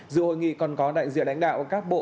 dự hội nghị còn có đại diện lãnh đạo các bộ